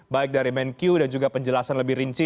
baik dari menq dan juga penjelasan lebih rinci